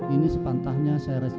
ini sepantahnya saya cerita